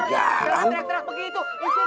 tidak teriak teriak begitu